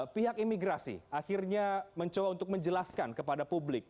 pihak imigrasi akhirnya mencoba untuk menjelaskan kepada publik